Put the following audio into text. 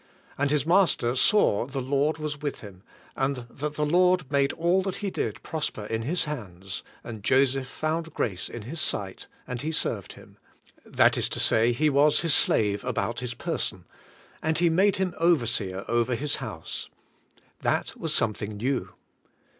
''And his master saw the Lord was with him, and that the Lord made all that he did prosper in his hands; and Joseph found grace in his sight, and he served him," — that is to say, he was his slave about his person, —"and he made him overseer over his house," — that was something new.